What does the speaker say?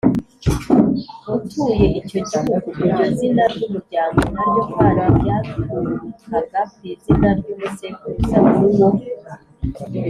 utuye icyo gihugu. iryo zina ry’umuryango naryo kandi ryaturukaga kw’izina ry’umusekuruza w’uwo